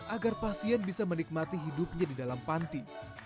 agar pasien bisa menikmati hidupnya di dalam panti